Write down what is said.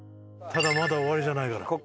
ただまだ終わりじゃないから。